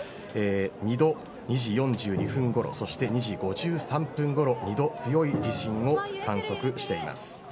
２度２時４２分ごろそして２時５３分ごろ２度強い地震を観測しています。